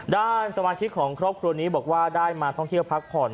ด้านสมาชิกของครอบครัวได้มาทั่วที่พักผ่อน